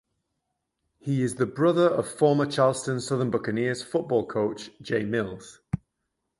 He is the brother of former Charleston Southern Buccaneers football coach Jay Mills.